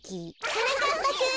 はなかっぱくん！